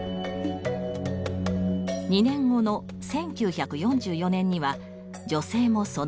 ２年後の１９４４年には女性もその対象に。